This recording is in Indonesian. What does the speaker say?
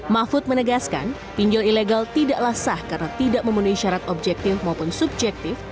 mahfud menegaskan pinjol ilegal tidaklah sah karena tidak memenuhi syarat objektif maupun subjektif